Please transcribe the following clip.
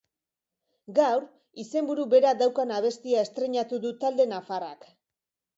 Gaur, izenburu bera daukan abestia estreinatu du talde nafarrak.